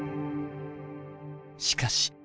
しかし。